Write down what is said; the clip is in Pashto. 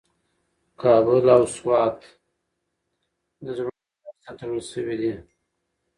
کابل او سوات د زړونو په واسطه تړل شوي دي.